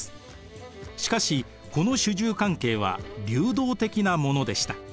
しかしこの主従関係は流動的なものでした。